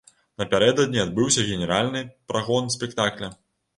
Напярэдадні адбыўся генеральны прагон спектакля.